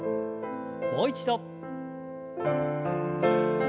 もう一度。